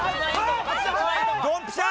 こい！ドンピシャ！